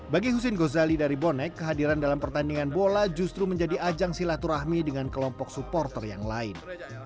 bagi hussein gozali dari bonek kehadiran dalam pertandingan bola justru menjadi ajang silaturahmi dengan kelompok supporter yang lain